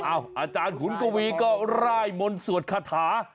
อ้าวอาจารย์ขุนกวีศรีก็ล่ายมนต์สวดคาถา